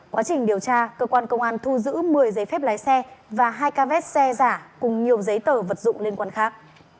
quá trình điều tra cơ quan công an thu giữ một mươi giấy phép lái xe và hai ca vet xe giả cùng nhiều giấy tờ vật dụng liên quan khác